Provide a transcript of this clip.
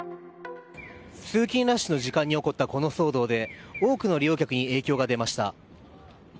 通勤ラッシュの時間に起こったこの騒動で多くの利用客に影響が出ました。